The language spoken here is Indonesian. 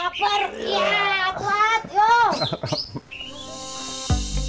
iya apat yuk